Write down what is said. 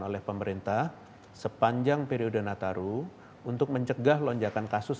oleh pemerintah sepanjang periode nataru untuk mencegah lonjakan kasus